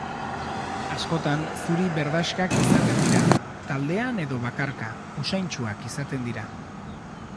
Askotan, zuri-berdaxkak izaten dira, taldean edo bakarka; usaintsuak izaten dira.